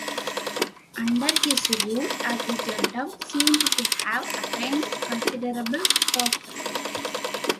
Under his rule, Agrigentum seemed to have attained considerable prosperity.